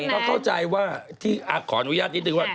เขาเข้าใจว่าขออนุญาตนิดนึงว่า